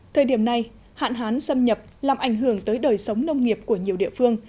thời điểm này hạn hán xâm nhập làm ảnh hưởng tới đời sống nông nghiệp của nhiều địa phương